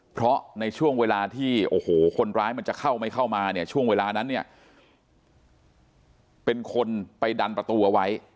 เพราะในช่วงเวลาที่คนร้ายจะเข้าไม่เข้ามาช่วงเวลานั้นเป็นคนไปดันประตูเอาไว้